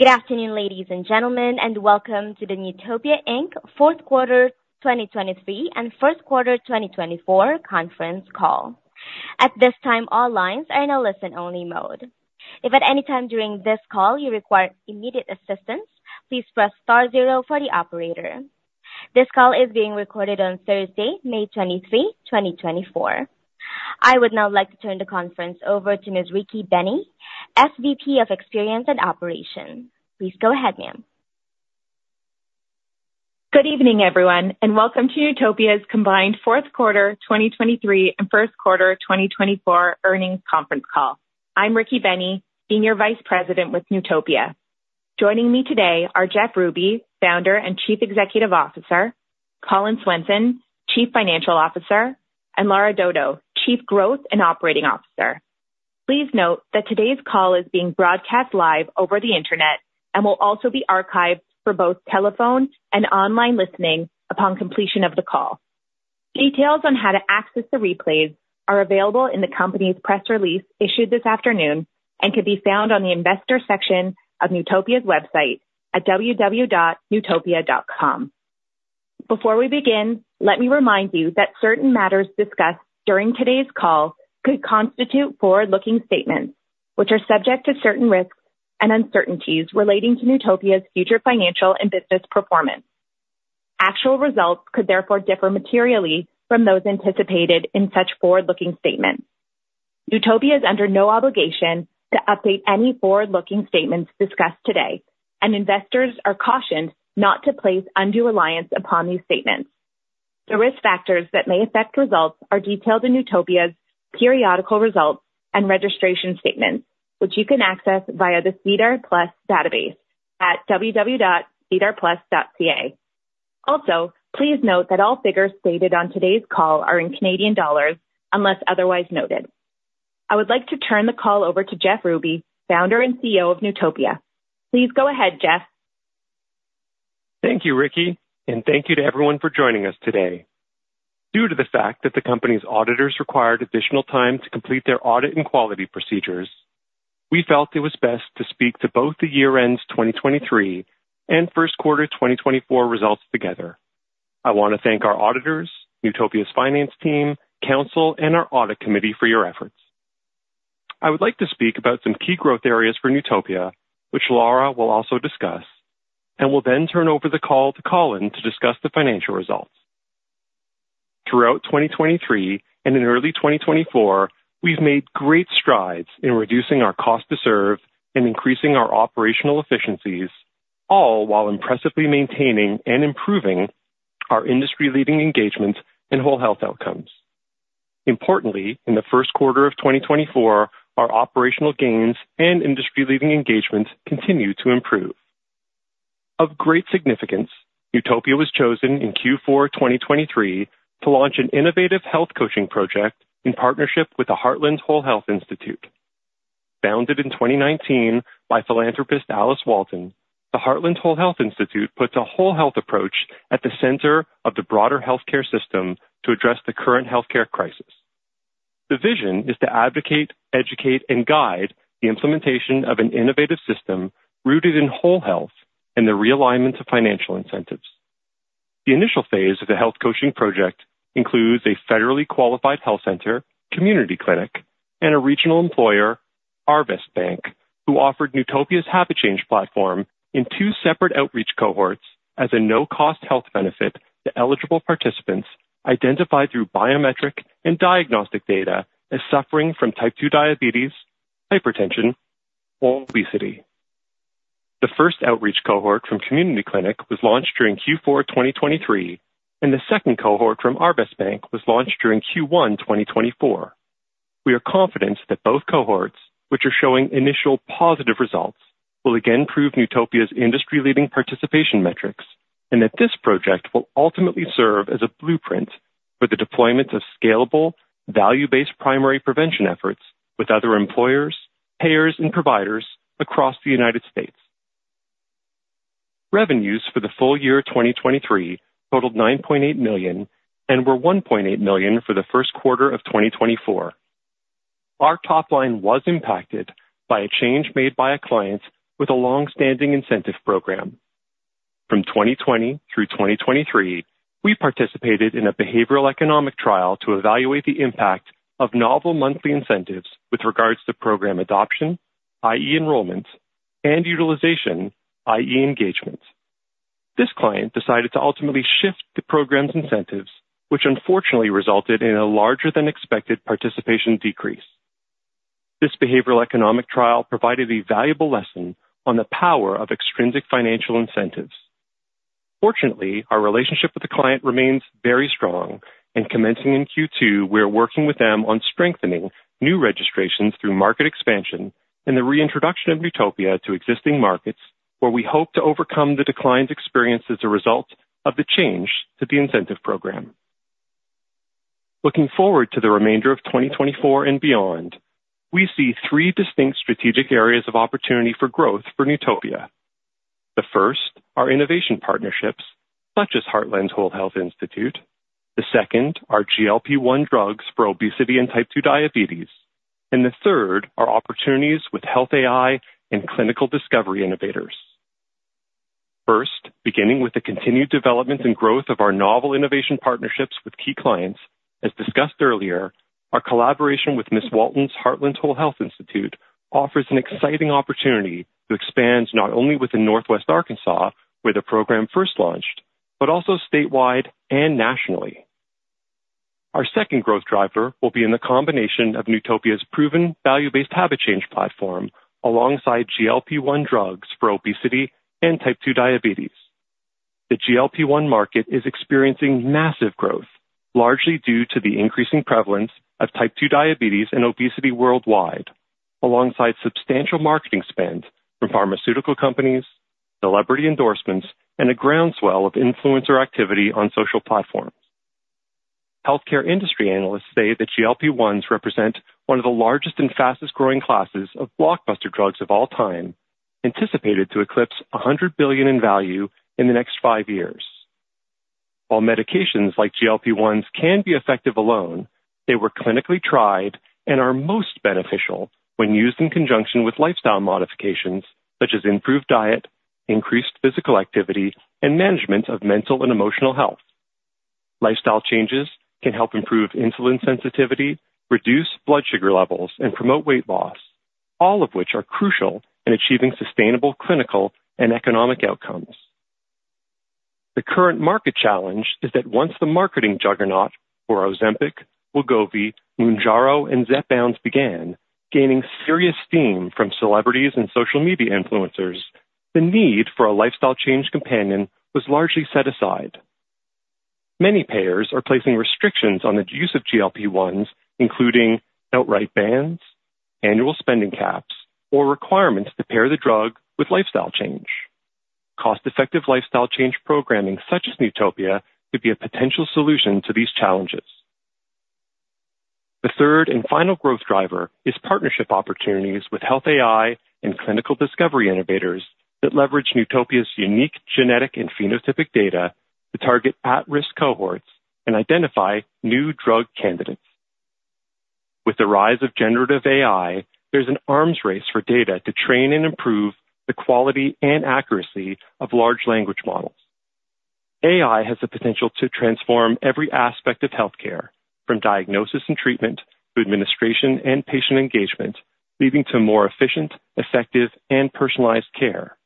Good afternoon, ladies and gentlemen, and welcome to the Newtopia Inc. fourth quarter, 2023 and first quarter, 2024 conference call. At this time, all lines are in a listen-only mode. If at any time during this call you require immediate assistance, please press star zero for the operator. This call is being recorded on Thursday, May 23, 2024. I would now like to turn the conference over to Ms. Rikki Bennie, SVP of Experience and Operations. Please go ahead, ma'am. Good evening, everyone, and welcome to Newtopia's combined fourth quarter, 2023 and first quarter, 2024 earnings conference call. I'm Rikki Bennie, Senior Vice President with Newtopia. Joining me today are Jeff Ruby, Founder and Chief Executive Officer, Colin Swenson, Chief Financial Officer, and Lara Dodo, Chief Growth and Operating Officer. Please note that today's call is being broadcast live over the Internet and will also be archived for both telephone and online listening upon completion of the call. Details on how to access the replays are available in the company's press release issued this afternoon and can be found on the investor section of Newtopia's website at www.newtopia.com. Before we begin, let me remind you that certain matters discussed during today's call could constitute forward-looking statements, which are subject to certain risks and uncertainties relating to Newtopia's future financial and business performance. Actual results could therefore differ materially from those anticipated in such forward-looking statements. Newtopia is under no obligation to update any forward-looking statements discussed today, and investors are cautioned not to place undue reliance upon these statements. The risk factors that may affect results are detailed in Newtopia's periodic reports and registration statements, which you can access via the SEDAR+ database at www.sedarplus.ca. Also, please note that all figures stated on today's call are in Canadian dollars, unless otherwise noted. I would like to turn the call over to Jeff Ruby, founder and CEO of Newtopia. Please go ahead, Jeff. Thank you, Rikki, and thank you to everyone for joining us today. Due to the fact that the company's auditors required additional time to complete their audit and quality procedures, we felt it was best to speak to both the year-ends 2023 and first quarter 2024 results together. I want to thank our auditors, Newtopia's finance team, counsel, and our audit committee for your efforts. I would like to speak about some key growth areas for Newtopia, which Lara will also discuss, and will then turn over the call to Colin to discuss the financial results. Throughout 2023 and in early 2024, we've made great strides in reducing our cost to serve and increasing our operational efficiencies, all while impressively maintaining and improving our industry-leading engagement and whole health outcomes. Importantly, in the first quarter of 2024, our operational gains and industry-leading engagement continue to improve. Of great significance, Newtopia was chosen in Q4, 2023, to launch an innovative health coaching project in partnership with the Heartland Whole Health Institute. Founded in 2019 by philanthropist Alice Walton, the Heartland Whole Health Institute puts a whole health approach at the center of the broader healthcare system to address the current healthcare crisis. The vision is to advocate, educate, and guide the implementation of an innovative system rooted in whole health and the realignment of financial incentives. The initial phase of the health coaching project includes a Federally Qualified Health Center, Community Clinic, and a regional employer, Arvest Bank, who offered Newtopia's Habit Change platform in two separate outreach cohorts as a no-cost health benefit to eligible participants identified through biometric and diagnostic data as suffering from type 2 diabetes, hypertension, or obesity. The first outreach cohort from Community Clinic was launched during Q4 2023, and the second cohort from Arvest Bank was launched during Q1 2024. We are confident that both cohorts, which are showing initial positive results, will again prove Newtopia's industry-leading participation metrics and that this project will ultimately serve as a blueprint for the deployment of scalable, value-based primary prevention efforts with other employers, payers, and providers across the United States. Revenues for the full year, 2023, totaled 9.8 million and were 1.8 million for the first quarter of 2024. Our top line was impacted by a change made by a client with a long-standing incentive program. From 2020 through 2023, we participated in a behavioral economic trial to evaluate the impact of novel monthly incentives with regards to program adoption, i.e., enrollment, and utilization, i.e., engagement. This client decided to ultimately shift the program's incentives, which unfortunately resulted in a larger than expected participation decrease. This behavioral economic trial provided a valuable lesson on the power of extrinsic financial incentives. Fortunately, our relationship with the client remains very strong, and commencing in Q2, we are working with them on strengthening new registrations through market expansion and the reintroduction of Newtopia to existing markets, where we hope to overcome the declines experienced as a result of the change to the incentive program. Looking forward to the remainder of 2024 and beyond, we see three distinct strategic areas of opportunity for growth for Newtopia. First, our innovation partnerships, such as Heartland Whole Health Institute. The second are GLP-1 drugs for obesity and type two diabetes, and the third are opportunities with health AI and clinical discovery innovators. First, beginning with the continued development and growth of our novel innovation partnerships with key clients, as discussed earlier, our collaboration with Ms. Walton's Heartland Whole Health Institute offers an exciting opportunity to expand not only within Northwest Arkansas, where the program first launched, but also statewide and nationally. Our second growth driver will be in the combination of Newtopia's proven value-based habit change platform, alongside GLP-1 drugs for obesity and type 2 diabetes. The GLP-1 market is experiencing massive growth, largely due to the increasing prevalence of type 2 diabetes and obesity worldwide, alongside substantial marketing spends from pharmaceutical companies, celebrity endorsements, and a groundswell of influencer activity on social platforms. Healthcare industry analysts say that GLP-1s represent one of the largest and fastest growing classes of blockbuster drugs of all time, anticipated to eclipse $100 billion in value in the next five years. While medications like GLP-1s can be effective alone, they were clinically tried and are most beneficial when used in conjunction with lifestyle modifications such as improved diet, increased physical activity, and management of mental and emotional health. Lifestyle changes can help improve insulin sensitivity, reduce blood sugar levels, and promote weight loss, all of which are crucial in achieving sustainable, clinical, and economic outcomes. The current market challenge is that once the marketing juggernaut for Ozempic, Wegovy, Mounjaro, and Zepbound began, gaining serious steam from celebrities and social media influencers, the need for a lifestyle change companion was largely set aside. Many payers are placing restrictions on the use of GLP-1s, including outright bans, annual spending caps, or requirements to pair the drug with lifestyle change. Cost-effective lifestyle change programming, such as Newtopia, could be a potential solution to these challenges. The third and final growth driver is partnership opportunities with health AI and clinical discovery innovators that leverage Newtopia's unique genetic and phenotypic data to target at-risk cohorts and identify new drug candidates. With the rise of generative AI, there's an arms race for data to train and improve the quality and accuracy of large language models. AI has the potential to transform every aspect of healthcare, from diagnosis and treatment to administration and patient engagement, leading to more efficient, effective, and personalized care.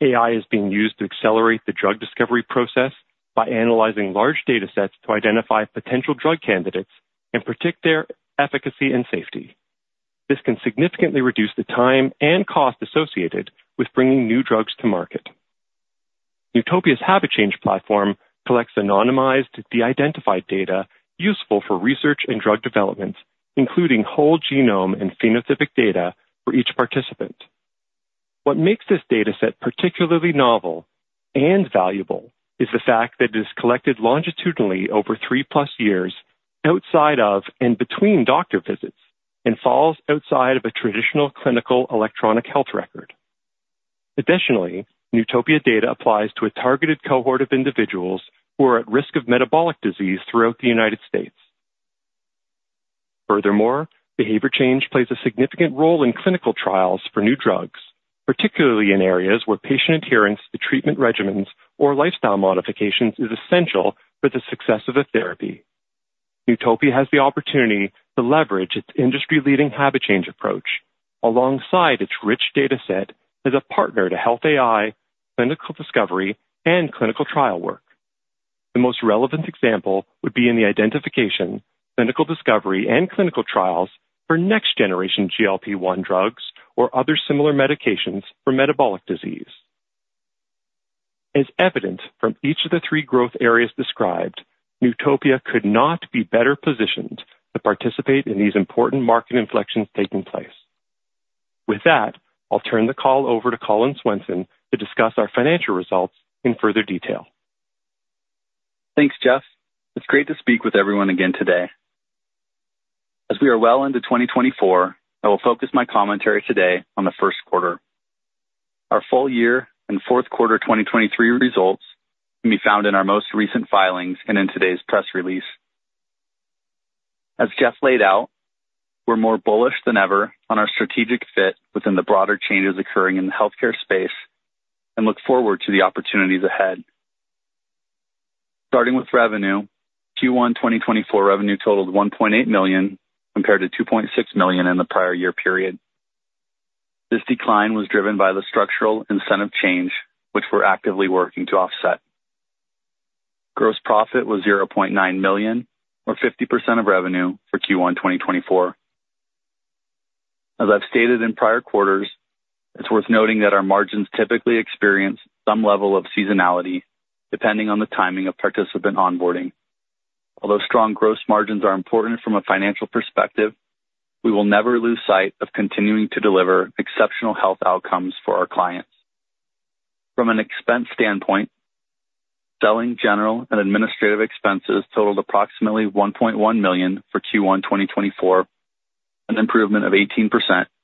AI is being used to accelerate the drug discovery process by analyzing large datasets to identify potential drug candidates and predict their efficacy and safety. This can significantly reduce the time and cost associated with bringing new drugs to market. Newtopia's habit change platform collects anonymized, de-identified data useful for research and drug development, including whole genome and phenotypic data for each participant. What makes this dataset particularly novel and valuable is the fact that it is collected longitudinally over three plus years, outside of and between doctor visits, and falls outside of a traditional clinical electronic health record. Additionally, Newtopia data applies to a targeted cohort of individuals who are at risk of metabolic disease throughout the United States. Furthermore, behavior change plays a significant role in clinical trials for new drugs, particularly in areas where patient adherence to treatment regimens or lifestyle modifications is essential for the success of a therapy. Newtopia has the opportunity to leverage its industry-leading habit change approach alongside its rich dataset as a partner to health AI, clinical discovery, and clinical trial work. The most relevant example would be in the identification, clinical discovery, and clinical trials for next generation GLP-1 drugs or other similar medications for metabolic disease. As evident from each of the three growth areas described, Newtopia could not be better positioned to participate in these important market inflections taking place. With that, I'll turn the call over to Colin Swenson to discuss our financial results in further detail. Thanks, Jeff. It's great to speak with everyone again today. As we are well into 2024, I will focus my commentary today on the first quarter. Our full year and fourth quarter 2023 results can be found in our most recent filings and in today's press release. As Jeff laid out, we're more bullish than ever on our strategic fit within the broader changes occurring in the healthcare space and look forward to the opportunities ahead. Starting with revenue, Q1 2024 revenue totaled 1.8 million, compared to 2.6 million in the prior year period. This decline was driven by the structural incentive change, which we're actively working to offset. Gross profit was 0.9 million, or 50% of revenue for Q1 2024. As I've stated in prior quarters, it's worth noting that our margins typically experience some level of seasonality, depending on the timing of participant onboarding. Although strong gross margins are important from a financial perspective, we will never lose sight of continuing to deliver exceptional health outcomes for our clients. From an expense standpoint. Selling general and administrative expenses totaled approximately $1.1 million for Q1 2024, an improvement of 18%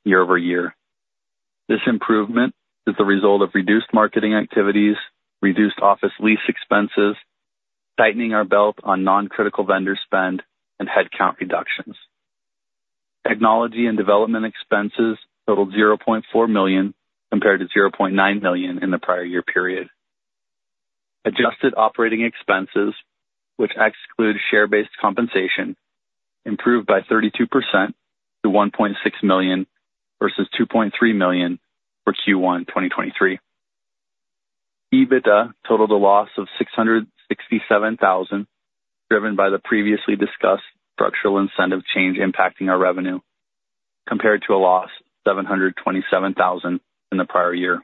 year-over-year. This improvement is the result of reduced marketing activities, reduced office lease expenses, tightening our belt on non-critical vendor spend, and headcount reductions. Technology and development expenses totaled $0.4 million, compared to $0.9 million in the prior year period. Adjusted operating expenses, which exclude share-based compensation, improved by 32% to $1.6 million, versus $2.3 million for Q1 2023. EBITDA totaled a loss of CAD 667,000, driven by the previously discussed structural incentive change impacting our revenue, compared to a loss of 727,000 in the prior year.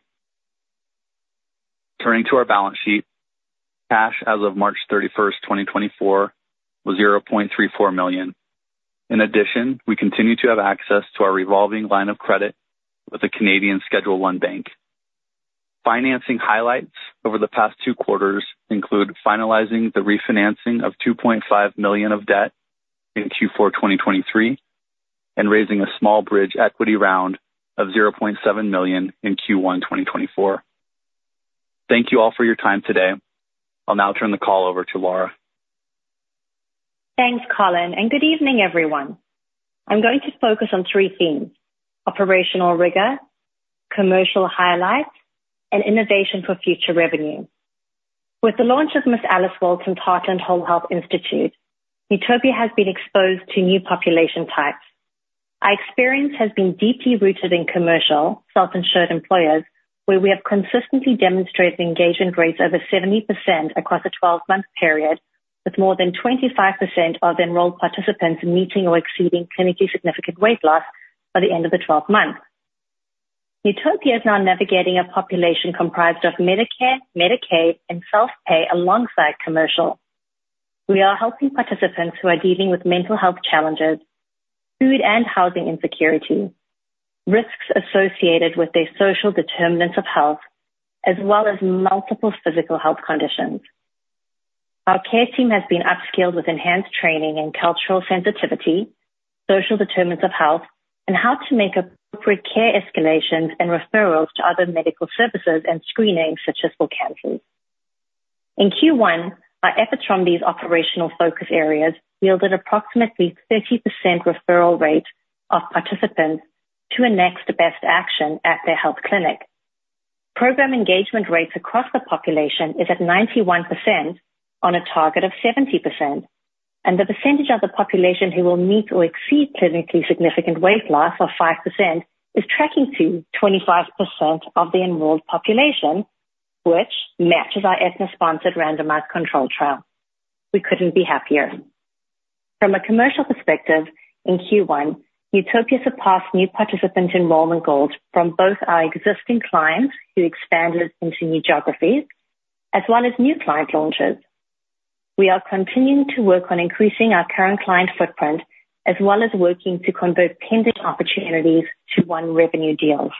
Turning to our balance sheet, cash as of March 31, 2024, was 0.34 million. In addition, we continue to have access to our revolving line of credit with the Canadian Schedule I bank. Financing highlights over the past two quarters include finalizing the refinancing of 2.5 million of debt in Q4 2023, and raising a small bridge equity round of 0.7 million in Q1 2024. Thank you all for your time today. I'll now turn the call over to Lara. Thanks, Colin, and good evening, everyone. I'm going to focus on three themes: operational rigor, commercial highlights, and innovation for future revenue. With the launch of the Alice Walton Heartland Whole Health Institute, Newtopia has been exposed to new population types. Our experience has been deeply rooted in commercial self-insured employers, where we have consistently demonstrated engagement rates over 70% across a 12-month period, with more than 25% of enrolled participants meeting or exceeding clinically significant weight loss by the end of the 12 months. Newtopia is now navigating a population comprised of Medicare, Medicaid, and self-pay alongside commercial. We are helping participants who are dealing with mental health challenges, food and housing insecurity, risks associated with their social determinants of health, as well as multiple physical health conditions. Our care team has been upskilled with enhanced training in cultural sensitivity, social determinants of health, and how to make appropriate care escalations and referrals to other medical services and screenings, such as for cancer. In Q1, our efforts from these operational focus areas yielded approximately 30% referral rate of participants to a next best action at their health clinic. Program engagement rates across the population is at 91% on a target of 70%, and the percentage of the population who will meet or exceed clinically significant weight loss of 5% is tracking to 25% of the enrolled population, which matches our Aetna-sponsored randomized control trial. We couldn't be happier. From a commercial perspective, in Q1, Newtopia surpassed new participant enrollment goals from both our existing clients, who expanded into new geographies, as well as new client launches. We are continuing to work on increasing our current client footprint, as well as working to convert pending opportunities to won revenue deals.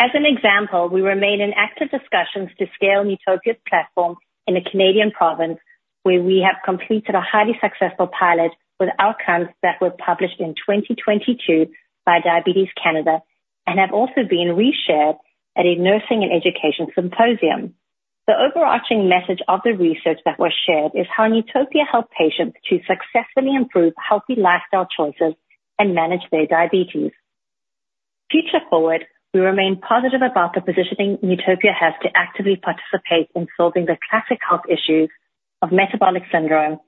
As an example, we remain in active discussions to scale Newtopia's platform in a Canadian province, where we have completed a highly successful pilot with outcomes that were published in 2022 by Diabetes Canada and have also been re-shared at a nursing and education symposium. The overarching message of the research that was shared is how Newtopia helped patients to successfully improve healthy lifestyle choices and manage their diabetes. Future forward, we remain positive about the positioning Newtopia has to actively participate in solving the classic health issues of metabolic syndrome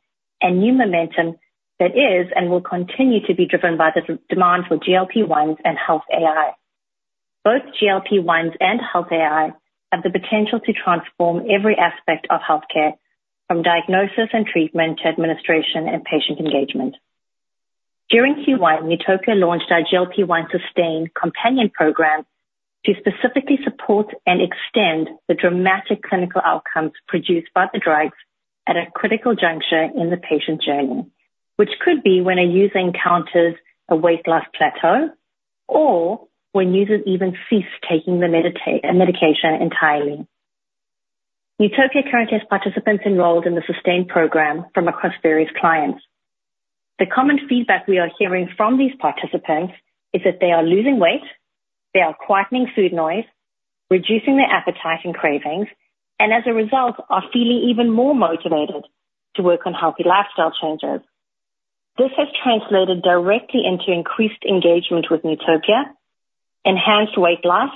and new momentum that is and will continue to be driven by the demand for GLP-1s and health AI. Both GLP-1s and health AI have the potential to transform every aspect of healthcare, from diagnosis and treatment to administration and patient engagement. During Q1, Newtopia launched our GLP-1 Sustain companion program to specifically support and extend the dramatic clinical outcomes produced by the drugs at a critical juncture in the patient journey, which could be when a user encounters a weight loss plateau or when users even cease taking the medication entirely. Newtopia currently has participants enrolled in the Sustain program from across various clients. The common feedback we are hearing from these participants is that they are losing weight, they are quieting food noise, reducing their appetite and cravings, and as a result, are feeling even more motivated to work on healthy lifestyle changes. This has translated directly into increased engagement with Newtopia, enhanced weight loss,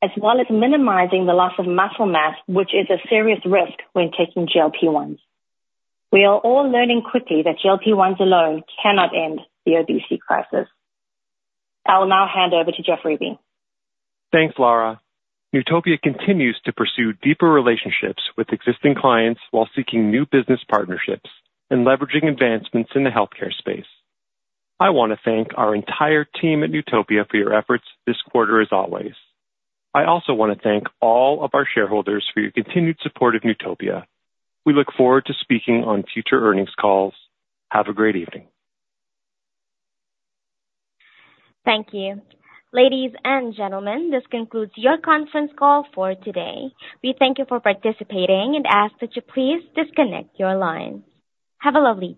as well as minimizing the loss of muscle mass, which is a serious risk when taking GLP-1s. We are all learning quickly that GLP-1 alone cannot end the obesity crisis. I will now hand over to Jeff Ruby. Thanks, Lara. Newtopia continues to pursue deeper relationships with existing clients while seeking new business partnerships and leveraging advancements in the healthcare space. I want to thank our entire team at Newtopia for your efforts this quarter, as always. I also want to thank all of our shareholders for your continued support of Newtopia. We look forward to speaking on future earnings calls. Have a great evening. Thank you. Ladies and gentlemen, this concludes your conference call for today. We thank you for participating and ask that you please disconnect your lines. Have a lovely day.